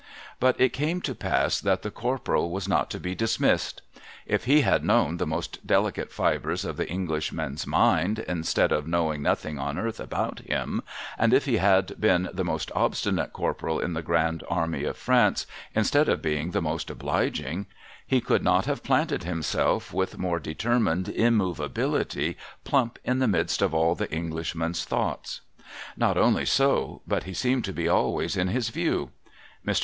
But it came to pass that the Corporal was not to be dismissed. If he had known the most delicate fibres of the Englishman's mind, instead of knowing nothing on earth about him, and if he had been the most obstinate Corporal in the Grand Army of France, instead of being the most obliging, he could not have planted himself with more determined immovability plump in the midst of all the English man's thoughts. Not only so, but he seemed to be always in his view. Mr.